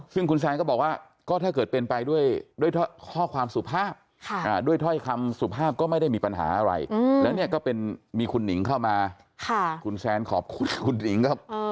ซึ่งคุณแซนก็บอกว่าก็ถ้าเกิดเป็นไปด้วยข้อความสุภาพด้วยถ้อยคำสุภาพก็ไม่ได้มีปัญหาอะไรแล้วเนี่ยก็เป็นมีคุณหนิงเข้ามาคุณแซนขอบคุณคุณหนิงครับ